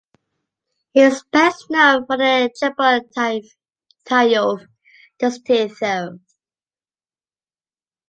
He is best known for the Chebotaryov density theorem.